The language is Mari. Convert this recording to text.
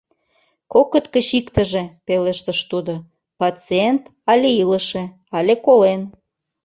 — Кокыт гыч иктыже, — пелештыш тудо, — пациент але илыше, але колен.